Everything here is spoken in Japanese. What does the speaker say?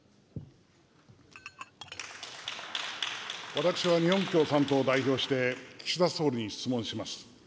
私は日本共産党を代表して、岸田総理に質問します。